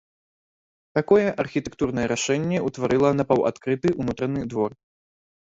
Такое архітэктурнае рашэнне ўтварыла напаўадкрыты ўнутраны двор.